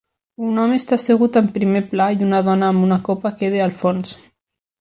Un home està assegut en primer pla i una dona amb una copa queda al fons.